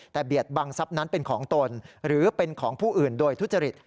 แต่เบียดบังทรัพย์นั้นเป็นของตนหรือเป็นของผู้อื่นโดยทุจริต